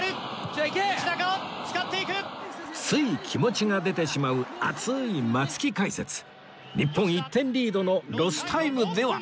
つい気持ちが出てしまう熱い松木解説日本１点リードのロスタイムでは